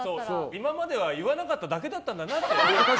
今までは言わなかっただけだったんだなって。